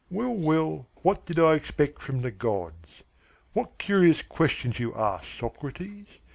"Well, well, what did I expect from the gods! What curious questions you ask, Socrates!